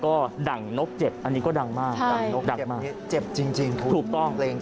ก็ดั่งนกเจ็บอันนี้ก็ดังมากดังนกดังมากเจ็บจริงถูกต้องเพลง